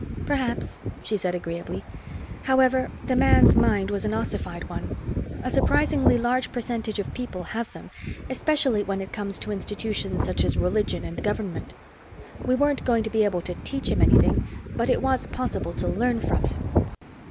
"Perhaps," she said agreeably. "However, the man's mind was an ossified one. A surprisingly large percentage of people have them, especially when it comes to institutions such as religion and government. We weren't going to be able to teach him anything, but it was possible to learn from him."